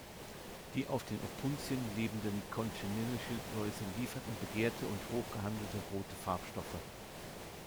Die auf den Opuntien lebenden Cochenille-Schildläuse lieferten begehrte und hoch gehandelte rote Farbstoffe.